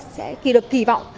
sẽ kỳ lực kỳ vọng